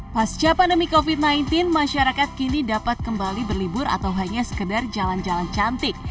pasca pandemi covid sembilan belas masyarakat kini dapat kembali berlibur atau hanya sekedar jalan jalan cantik